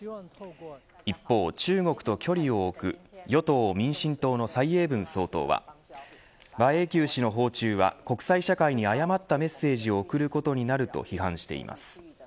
一方、中国と距離を置く与党民進党の蔡英文総統は馬英九氏の訪中は国際社会に誤ったメッセージを送ることになると批判しています。